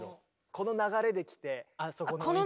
この流れで来てあそこの音域だと。